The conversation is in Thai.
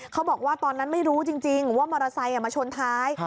เขาบอกว่าตอนนั้นไม่รู้จริงว่ามอเตอร์ไซค์มาชนท้าย